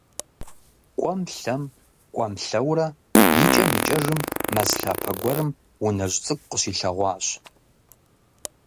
КӀуэм-лъэм, кӀуэм-лъэурэ, икӀэм икӀэжым, мэз лъапэ гуэрым унэжь цӀыкӀу къыщилъэгъуащ.